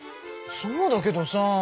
そうだけどさ。